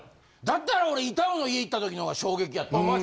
だったら俺板尾の家行った時のほうが衝撃やったわ。